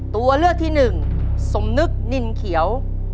ตัวเลือกที่หนึ่งสมนึกนินเขียว